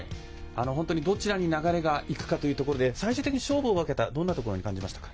本当にどちらに流れがいくかというところで最終的に勝負を分けたのはどんなところに感じましたか。